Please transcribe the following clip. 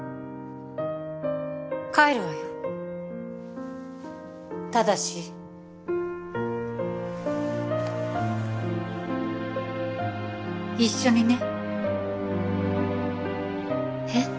帰るわよただし一緒にねえっ？